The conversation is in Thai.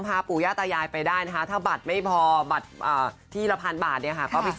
พาปู่ย่าตายายไปได้นะคะถ้าบัตรไม่พอ